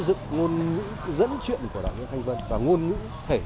đúng là anh